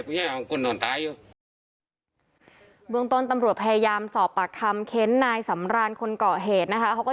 บุญยายวางคนนอนตายเหอะ